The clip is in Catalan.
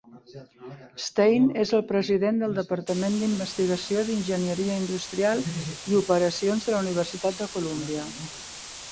Stein és el president del Departament d'Investigació d'Enginyeria Industrial i Operacions de la Universitat de Columbia.